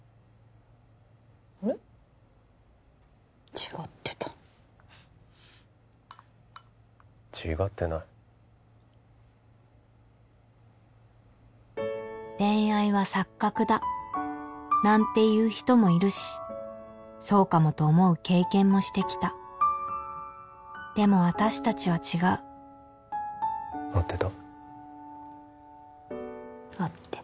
違ってた違ってない恋愛は錯覚だなんて言う人もいるしそうかもと思う経験もしてきたでも私達は違う合ってた？